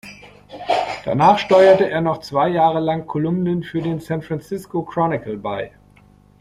Danach steuerte er noch zwei Jahre lang Kolumnen für den San Francisco Chronicle bei.